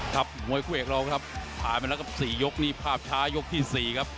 มวยคู่เอกเราครับผ่านไปแล้วครับ๔ยกนี่ภาพช้ายกที่๔ครับ